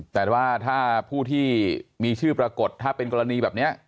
แต่ว่าถ้าผู้ที่มีชื่อปรากฏถ้าเป็นกรณีแบบนี้